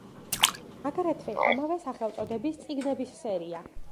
აგრეთვე ამავე სახელწოდების წიგნების სერია.